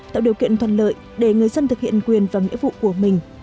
tạo điều kiện thuận lợi để người dân thực hiện quyền và nghĩa vụ của mình